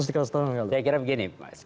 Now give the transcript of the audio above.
saya kira begini mas